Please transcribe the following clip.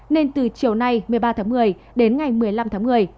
nên từ chiều nay một mươi ba tháng một mươi đến ngày một mươi năm tháng một mươi